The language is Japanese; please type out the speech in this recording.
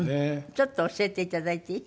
ちょっと教えていただいていい？